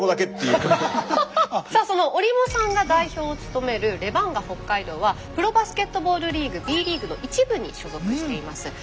その折茂さんが代表を務めるレバンガ北海道はプロバスケットボールリーグ「Ｂリーグ」の１部に所属しています。